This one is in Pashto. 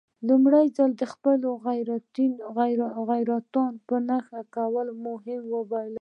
لومړی د خپلو غیرتونو په نښه کول مهم بولم.